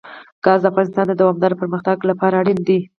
ګاز د افغانستان د دوامداره پرمختګ لپاره اړین دي.